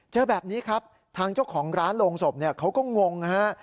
เจอแบบนี้ครับทางเจ้าของร้านโรงศพเขาก็งงนะฮะ